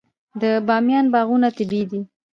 د بامیان باغونه طبیعي دي.